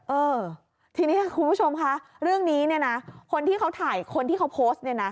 เออทีนี้คุณผู้ชมค่ะเรื่องนี้คนที่เขาโพสต์